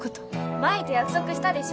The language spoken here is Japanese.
麻依と約束したでしょ？